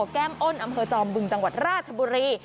แก้มอ้นอำเภอจอมบึงจังหวัดราชบุรี